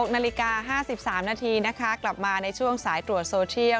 ๖นรีกา๕๓นาทีกลับมาในช่วงสายตรวจโซเชียล